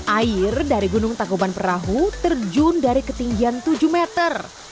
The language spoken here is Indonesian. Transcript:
air dari gunung tangkuban perahu terjun dari ketinggian tujuh meter